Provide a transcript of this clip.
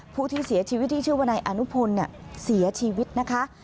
ผู้ที่เสียชีวิตที่ชื่อว่านายอนุพลเสียชีวิตนะคะ